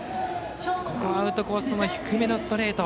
ここアウトコースの低めのストレート。